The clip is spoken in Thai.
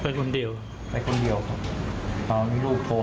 แล้วไปคนเดียว